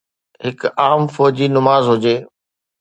هڪ عام فوجي نماز هجي